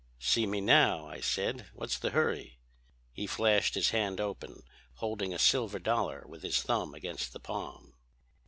"'See me now,' I said. 'What's the hurry?' "He flashed his hand open, holding a silver dollar with his thumb against the palm.